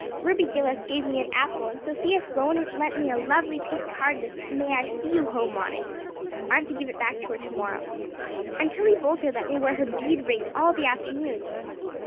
Ruby Gillis gave me an apple and Sophia Sloane lent me a lovely pink card with 'May I see you home?' on it. I'm to give it back to her tomorrow. And Tillie Boulter let me wear her bead ring all the afternoon.